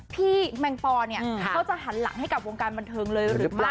แมงปอเนี่ยเขาจะหันหลังให้กับวงการบันเทิงเลยหรือไม่